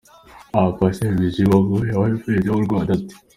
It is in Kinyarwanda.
a.Pasteur Bizimungu yabaye President wu Rwanda ate?